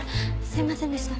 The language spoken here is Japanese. すいませんでした。